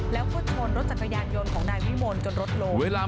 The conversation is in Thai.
แล้วควดโทนรถจักรยานยนต์ของนายวิโมนจนรถโลนเวลา